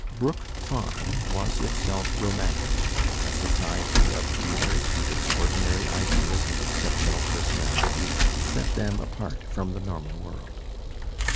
Brook Farm was itself romantic, a society of dreamers whose extraordinary ideas and exceptional personalities set them apart from the normal world.